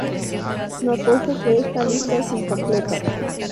Nótese que esta lista es incompleta.